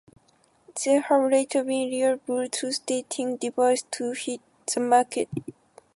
There have later been real Bluetooth dating devices to hit the market.